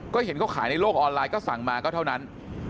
ก็เห็นเขาขายในโลกออนไลน์ก็สั่งมาก็เท่านั้น